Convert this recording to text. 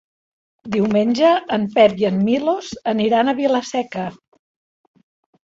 Diumenge en Pep i en Milos aniran a Vila-seca.